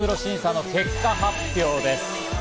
擬似プロ審査の結果発表です。